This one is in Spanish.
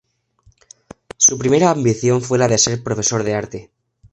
Su primera ambición fue la de ser profesor de arte.